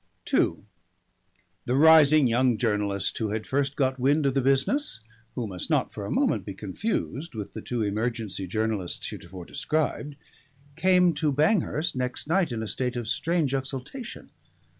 II The rising young journalist who had first got wind of the business who must not for a moment be confused with the two emergency journalists heretofore described came to Banghurst next night in a state of strange exultation.